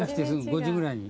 ５時ぐらいに。